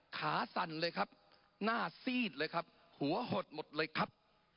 สั่นเลยครับหน้าซีดเลยครับหัวหดหมดเลยครับ